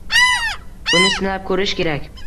Buni sinab ko‘rish kerak.